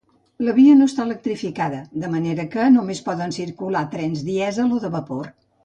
La via no està electrificada, de manera que només poden circular trens dièsel o de vapor.